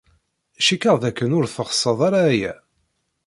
Cikkeɣ dakken ur teɣsed ara aya.